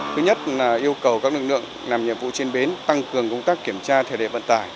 thứ nhất là yêu cầu các lực lượng làm nhiệm vụ trên bến tăng cường công tác kiểm tra thời đại vận tải